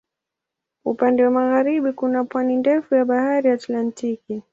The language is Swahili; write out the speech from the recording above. Upande wa magharibi kuna pwani ndefu ya Bahari Atlantiki.